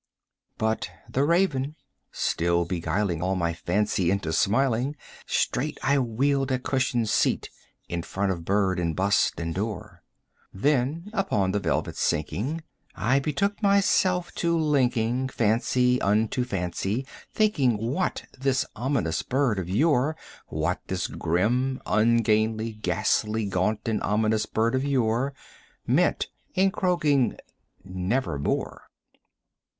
'" But the Raven still beguiling all my fancy into smiling, Straight I wheeled a cushioned seat in front of bird and bust and door; Then, upon the velvet sinking, I betook myself to linking Fancy unto fancy, thinking what this ominous bird of yore, 70 What this grim, ungainly, ghastly, gaunt, and ominous bird of yore Meant in croaking "Nevermore."